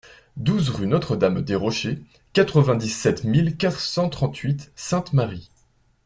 douze rue Notre Dame des Rochers, quatre-vingt-dix-sept mille quatre cent trente-huit Sainte-Marie